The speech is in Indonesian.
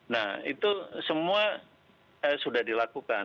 nah itu semua sudah dilakukan